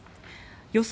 予想